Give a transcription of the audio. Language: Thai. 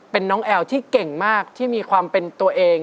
เป็นน้องแอลที่เก่งมากที่มีความเป็นตัวเอง